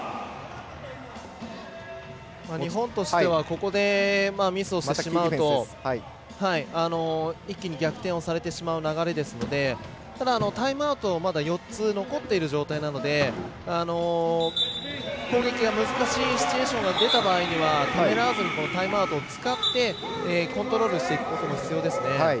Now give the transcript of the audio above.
日本としてはここでミスをしてしまうと一気に逆転をされてしまう流れですのでただ、タイムアウトをまだ４つ残っている状態なので攻撃が難しいシチュエーションが出た場合にはためらわずにタイムアウトを使ってコントロールしていくことが必要ですね。